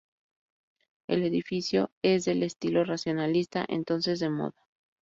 El edificio es del estilo racionalista entonces de moda.